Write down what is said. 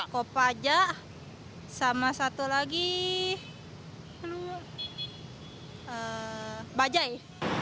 kopaja sama satu lagi bajai